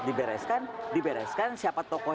dibereskan siapa tokoh